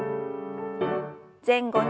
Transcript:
前後に。